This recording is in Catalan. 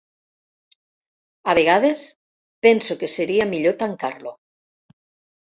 A vegades penso que seria millor tancar-lo.